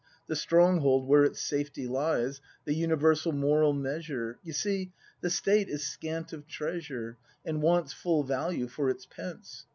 The stronghold where its safety lies. The universal moral measure. You see, the State is scant of treasure, And wants full value for its pence.